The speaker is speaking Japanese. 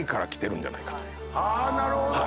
あなるほど。